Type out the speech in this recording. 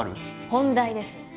本題です